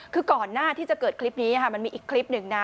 คือก่อนหน้าที่จะเกิดคลิปนี้มันมีอีกคลิปหนึ่งนะ